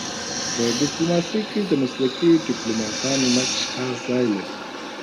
په ډيپلوماسی کي د مسلکي ډيپلوماتانو نقش خاص ځای لري.